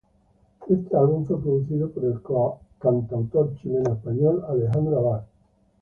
Éste álbum fue producido por el cantautor chileno-español Alejandro Abad.